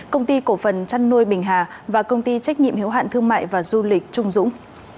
công ty cổ phần chăn nuôi bình hà và công ty trách nhiệm hiếu hạn thương mại và du lịch trung dũng